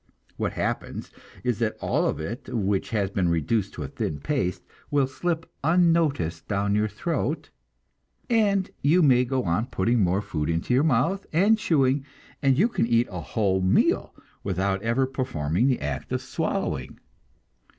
What happens is that all of it which has been reduced to a thin paste will slip unnoticed down your throat, and you may go on putting more food into your mouth, and chewing, and can eat a whole meal without ever performing the act of swallowing.